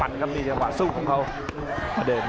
อัศวินาศาสตร์